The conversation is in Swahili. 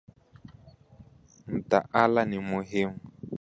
Mtaala ni muhimu